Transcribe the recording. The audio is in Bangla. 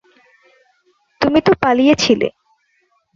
তুমি তো পালিয়েছিলে।